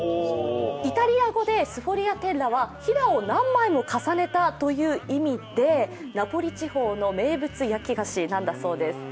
イタリア語でスフォリアテッラはひだを何枚も重ねたという意味でナポリ地方の名物焼き菓子なんだそうです。